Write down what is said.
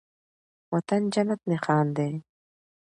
وطن جنت نښان دی